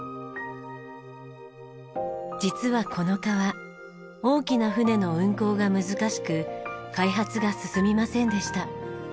実はこの川大きな船の運航が難しく開発が進みませんでした。